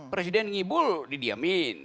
presiden ngibul didiamin